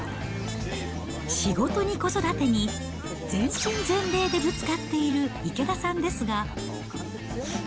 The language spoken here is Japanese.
仕事に子育てに、全身全霊でぶつかっている池田さんですが。